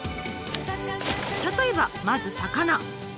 例えばまず魚。